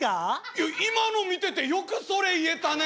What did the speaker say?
いや今の見ててよくそれ言えたね。